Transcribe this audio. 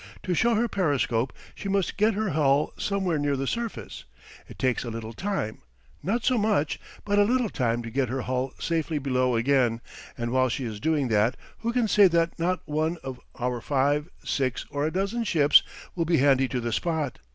To show her periscope she must get her hull somewhere near the surface; it takes a little time not so much, but a little time to get her hull safely below again; and while she is doing that who can say that not one of our five, six, or a dozen ships will be handy to the spot?